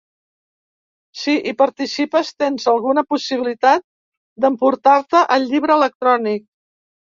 Si hi participes, tens alguna possibilitat d'emportar-te el llibre electrònic.